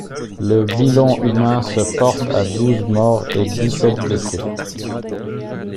Le bilan humain se porte à douze morts et dix-sept blessés.